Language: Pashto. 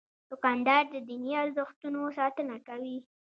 دوکاندار د دیني ارزښتونو ساتنه کوي.